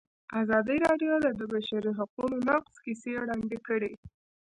ازادي راډیو د د بشري حقونو نقض کیسې وړاندې کړي.